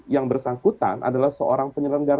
yang bersangkutan adalah seorang penyelenggara